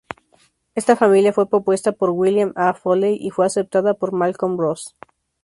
Esta familia fue propuesta por William A. Foley y fue aceptada por Malcolm Ross.